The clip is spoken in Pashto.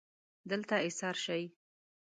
دلته ایسار شئ